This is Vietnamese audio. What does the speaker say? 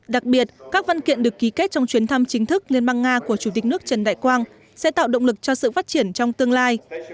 đặc biệt các văn kiện được ký kết trong chuyến thăm chính thức liên bang nga của chủ tịch nước trần đại quang sẽ tạo động lực cho sự phát triển trong tương lai